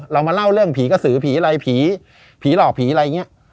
เรามาเล่าเรื่องผีกระสือผีอะไรผีผีหลอกผีอะไรอย่างนี้